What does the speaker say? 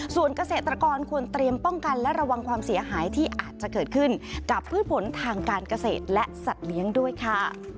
ส่วนเกษตรกรควรเตรียมป้องกันและระวังความเสียหายที่อาจจะเกิดขึ้นกับพืชผลทางการเกษตรและสัตว์เลี้ยงด้วยค่ะ